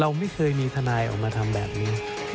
เราไม่เคยมีทนายออกมาทำแบบนี้